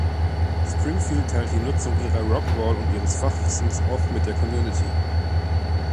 Springfield teilt die Nutzung ihrer Rockwall und ihres Fachwissens auch mit der Community.